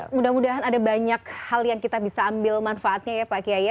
mudah mudahan ada banyak hal yang kita bisa ambil manfaatnya ya pak kiai